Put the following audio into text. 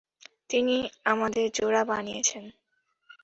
তিনি আমাদের জোড়া বানিয়েছেন।